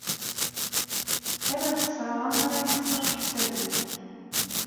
Ala lexṣara ara yexṣer leḥsab-nnek.